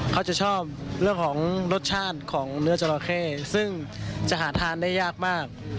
เขาจะชอบเนื้อจราเคซึ่งจะหาทานได้ยากมาก